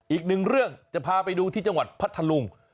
อีกหนึ่งเรื่องจะพาไปดูที่จังหวัดพัทธลุง